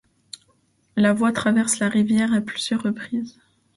La voie traverse la rivière à plusieurs reprises.